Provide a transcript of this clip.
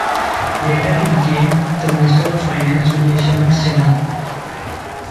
Later he became Minister of Finance with Yashwant Sinha.